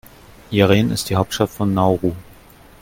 Yaren ist die Hauptstadt von Nauru.